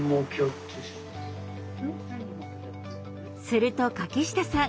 すると柿下さん